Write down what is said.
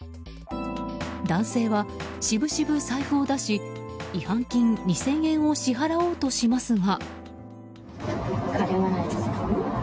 男性はしぶしぶ財布を出し違反金２０００円を支払おうとしますが。